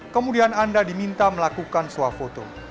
kemudian anda diminta melakukan swap foto